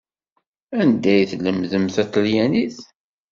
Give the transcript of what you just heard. Anda i tlemdeḍ taṭelyanit?